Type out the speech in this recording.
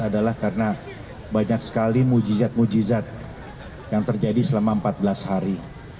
adalah karena banyak sekali mujizat mujizat yang terjadi selama empat belas hari